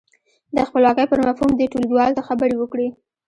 د خپلواکۍ پر مفهوم دې ټولګیوالو ته خبرې وکړي.